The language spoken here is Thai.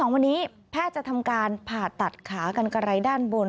วันนี้แพทย์จะทำการผ่าตัดขากันกระไรด้านบน